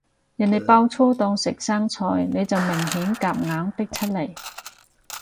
人哋爆粗當食生菜，你就明顯夾硬逼出嚟